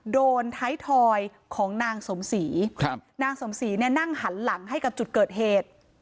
โดนท้ายทอยของนางสมศรีครับนางสมศรีเนี่ยนั่งหันหลังให้กับจุดเกิดเหตุ